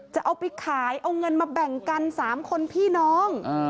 จะเอาไปขายเอาเงินมาแบ่งกัน๓คนพี่น้อง